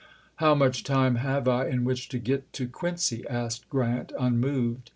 "How much time have I in which to get to Quincy 1 " asked Grant, unmoved.